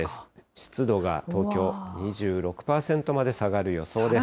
湿度が東京２６％まで下がる予想です。